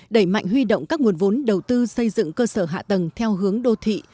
đẩy mạnh huy động các nguồn vốn đầu tư xây dựng cơ sở hạ tầng theo hướng đô thị